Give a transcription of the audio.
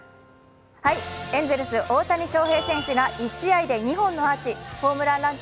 エンゼルス・大谷翔平選手が１試合で２本のホームランアーチ。